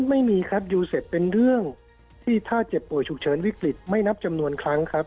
ไม่มีครับยูเซฟเป็นเรื่องที่ถ้าเจ็บป่วยฉุกเฉินวิกฤตไม่นับจำนวนครั้งครับ